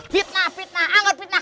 fitnah fitnah anggap fitnah